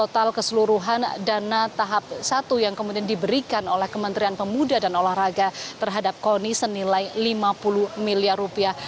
total keseluruhan dana tahap satu yang kemudian diberikan oleh kementerian pemuda dan olahraga terhadap koni senilai lima puluh miliar rupiah